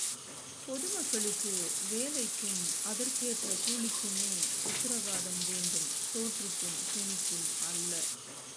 பொதுமக்களுக்கு வேலைக்கும், அதற்கேற்ற கூலிக்குமே உத்தரவாதம் வேண்டும் சோற்றுக்கும் துணிக்கும் அல்ல.